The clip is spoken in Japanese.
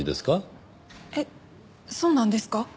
えっそうなんですか？